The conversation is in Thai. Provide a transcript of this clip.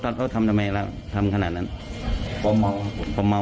ล๊อคแล้วทำตำไมละทำขนาดนั้นผมเมาครับผมเมา